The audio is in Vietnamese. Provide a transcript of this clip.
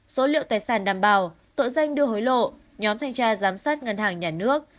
số liệu tài sản đảm bảo tội danh đưa hối lộ nhóm thanh tra giám sát ngân hàng nhà nước